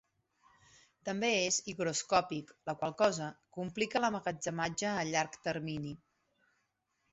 També és higroscòpic, la qual cosa complica l'emmagatzematge a llarg termini.